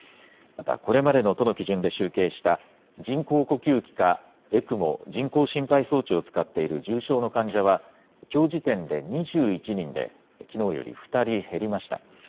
またこれまでの都の基準で集計した人工呼吸器かＥＣＭＯ・人工心肺装置を使っている重症の患者は、きょう時点で２１人で、きのうより２人減りました。